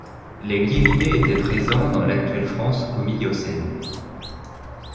Les Gliridés étaient présents dans l'actuelle France au Miocène.